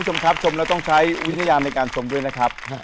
คุณผู้ชมครับชมแล้วต้องใช้วิญญาณในการชมด้วยนะครับ